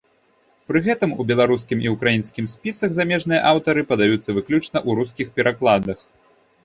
Пры гэтым, у беларускім і ўкраінскім спісах замежныя аўтары падаюцца выключна ў рускіх перакладах.